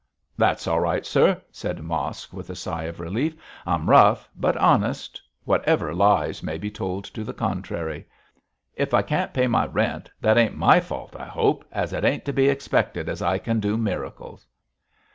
'That's all right, sir,' said Mosk, with a sigh of relief. 'I'm rough but honest, whatever lies may be told to the contrary. If I can't pay my rent, that ain't my fault, I hope, as it ain't to be expected as I can do miracles.'